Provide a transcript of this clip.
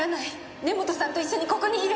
根本さんと一緒にここにいる。